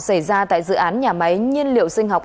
xảy ra tại dự án nhà máy nhiên liệu sinh học